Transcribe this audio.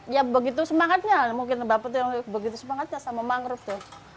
ya begitu semangatnya mungkin bapak tuh begitu semangatnya sama mangrove tuh